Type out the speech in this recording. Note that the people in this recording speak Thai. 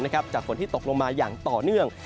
จากฝนที่ตกลงมาอย่างต่อเนื่อง